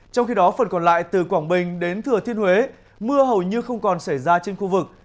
trong khi đó phần còn lại từ quảng bình đến thừa thiên huế mưa hầu như không còn xảy ra trên khu vực